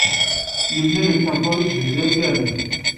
Yemlal-d tameṭṭut-is deg Internet.